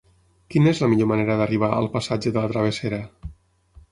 Quina és la millor manera d'arribar al passatge de la Travessera?